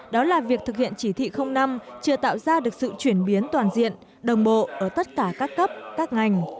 đó là việc thực hiện chỉ thị năm chưa tạo ra được sự chuyển biến toàn diện đồng bộ ở tất cả các cấp các ngành